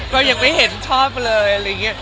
ก็ยังไม่เห็นชอบเลย